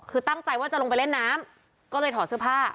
คือตั้งใจว่าจะลงไปเล่นน้ำก็เลยถอดเสื้อผ้า